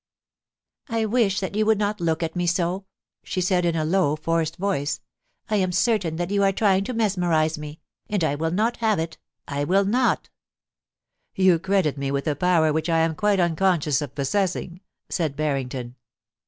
* I wish that you would not look at me so,* she said in a low, forced voice. * I am certain that you are trying to mesmerise me — and I will not have it — I will not' * You credit me with a power which I am quite uncon scious of possessing,' said Barrington.